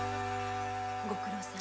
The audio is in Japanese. ご苦労様。